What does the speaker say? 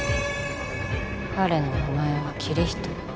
彼の名前はキリヒト